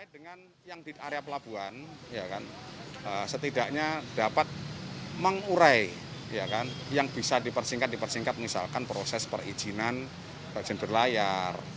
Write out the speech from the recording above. dengan yang di area pelabuhan setidaknya dapat mengurai yang bisa dipersingkat dipersingkat misalkan proses perizinan rajin berlayar